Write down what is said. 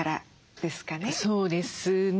そうですね。